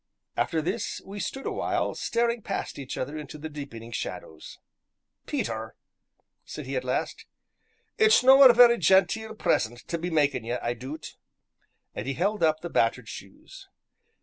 After this we stood awhile, staring past each other into the deepening shadows. "Peter," said he at last, "it's no a vera genteel present tae be makin' ye, I doot," and he held up the battered shoes.